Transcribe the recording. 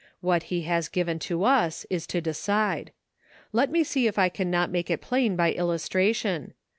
What he has given to us is to decide. Let me see if I can not make it plain by iUustratiou.